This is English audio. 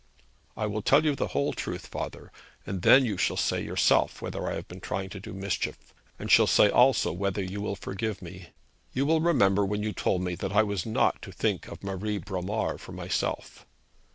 'I will tell you the whole truth, father; and then you shall say yourself whether I have been trying to do mischief, and shall say also whether you will forgive me. You will remember when you told me that I was not to think of Marie Bromar for myself.'